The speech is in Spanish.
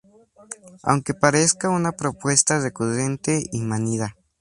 Aunque parezca una propuesta recurrente y manida